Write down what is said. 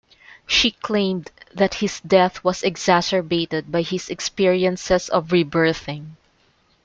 She claimed that his death was exacerbated by his experiences of rebirthing.